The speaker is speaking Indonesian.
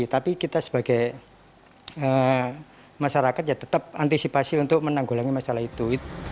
tapi kita sebagai masyarakat ya tetap antisipasi untuk menanggulangi masalah itu